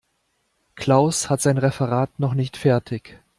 Klaus hat sein Referat noch nicht fertig.